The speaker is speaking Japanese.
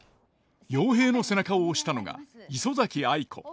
陽平の背中を押したのが磯崎藍子。